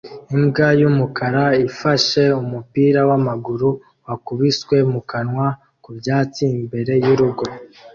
Imbwa y'umukara ifashe umupira w'amaguru wakubiswe mu kanwa ku byatsi imbere y'urugo